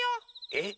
えっ？